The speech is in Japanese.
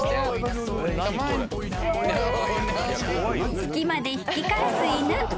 ［隙間で引き返す犬］